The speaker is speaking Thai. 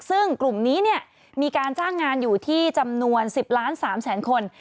ซึ่งกลุ่มนี้มีการจ้างงานอยู่ที่จำนวน๑๐ล้าน๓แสนคน